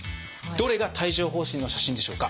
どれが帯状疱疹の写真でしょうか？